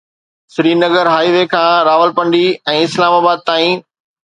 Srinagar highway کان Rawalpindi ۽ Islamabad تائين